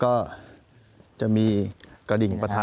ขอมอบจากท่านรองเลยนะครับขอมอบจากท่านรองเลยนะครับขอมอบจากท่านรองเลยนะครับ